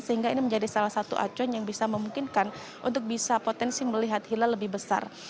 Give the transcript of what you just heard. sehingga ini menjadi salah satu acuan yang bisa memungkinkan untuk bisa potensi melihat hilal lebih besar